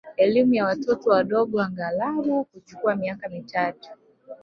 Elimu ya watoto wadogo aghalabu huchukua miaka mitatu